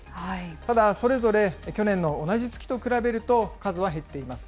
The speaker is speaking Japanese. ただ、それぞれ去年の同じ月と比べると、数は減っています。